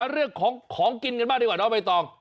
มาเลือกของกินกันมากดีกว่าเนาะไม่ต้อง